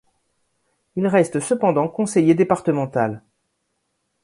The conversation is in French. Il reste cependant conseiller départemental.